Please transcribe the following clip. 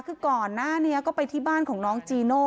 คือก่อนหน้านี้ก็ไปที่บ้านของน้องจีโน่